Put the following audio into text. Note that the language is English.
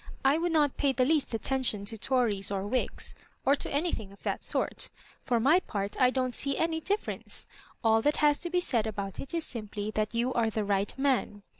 I would not pay the least attention to Tories or Whigs, or anything of that sort For my part I don't see any difference. All that has to be said about ik is simply that you are the right man.